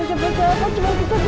udah cepetan cepetan